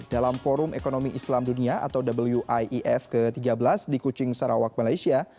dalam forum ekonomi islam dunia atau wief ke tiga belas di kucing sarawak malaysia